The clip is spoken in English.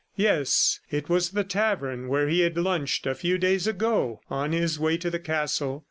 Yes, it was the tavern where he had lunched a few days ago on his way to the castle.